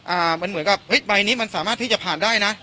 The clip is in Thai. อ่ามันเหมือนกับเฮ้ยใบนี้มันสามารถที่จะผ่านได้นะ